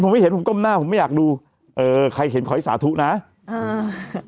ผมไม่เห็นผมก้มหน้าผมไม่อยากดูเออใครเห็นขอให้สาธุนะอ่า